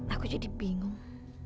aku jadi bingung